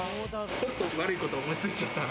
ちょっと悪いこと思いついちゃったな。